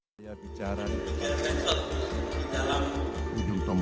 terima kasih yang masih bersama kami di politikals show